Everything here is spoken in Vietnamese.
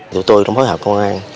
tụi tôi trong phối hợp công an